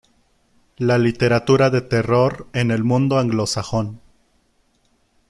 La literatura de terror en el mundo anglosajón.